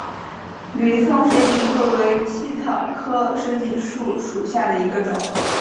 吕宋水锦树为茜草科水锦树属下的一个种。